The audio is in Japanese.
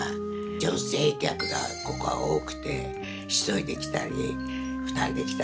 女性客がここは多くて１人で来たり２人で来たり。